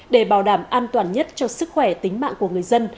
để bảo đảm an toàn nhất cho sức khỏe tính mạng của người dân